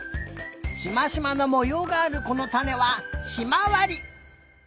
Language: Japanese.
しましまのもようがあるこのたねはひまわり！